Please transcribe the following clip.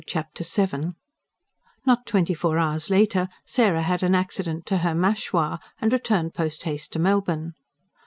Chapter VII Not twenty four hours later, Sarah had an accident to her MACHOIRE and returned post haste to Melbourne.